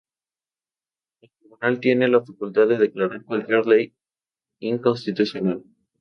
El tribunal tiene la facultad de declarar cualquier ley inconstitucional.